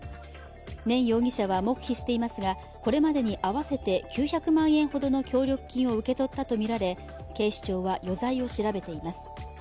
念容疑者は黙秘していますが、これまでに合わせて９００万円ほどの協力金を受け取ったとみられ、警視庁は余罪を調べています。